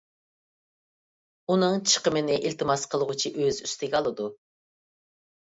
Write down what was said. ئۇنىڭ چىقىمىنى ئىلتىماس قىلغۇچى ئۆزى ئۈستىگە ئالىدۇ.